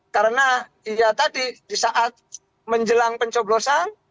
karena ya tadi di saat menjelang pencoblosan